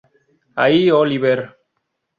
Ahí, Oliver!